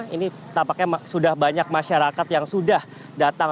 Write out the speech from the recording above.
ini tampaknya sudah banyak masyarakat yang sudah datang